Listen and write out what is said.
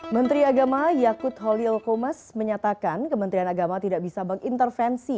menteri agama yakut holil komas menyatakan kementerian agama tidak bisa mengintervensi